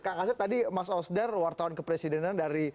kang asep tadi mas osdar wartawan kepresidenan dari